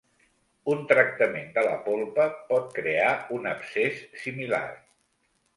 Un tractament de la polpa pot crear un abscés similar.